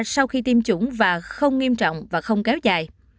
sau khi tiêm chủng và không nghiêm trọng và không kéo dài